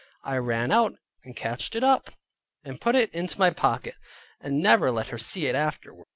I ran out and catched it up, and put it into my pocket, and never let her see it afterward.